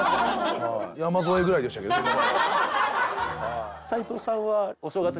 山添ぐらいでしたけどね。